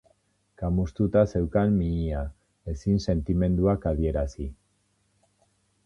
Kamustuta zeukan mihia, ezin sentimenduak adierazi.